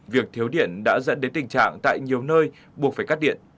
việc thiếu điện đã dẫn đến tình trạng tại nhiều nơi buộc phải cắt điện